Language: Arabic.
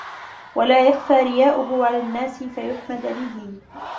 وَلَا يَخْفَى رِيَاؤُهُ عَلَى النَّاسِ فَيُحْمَدَ بِهِ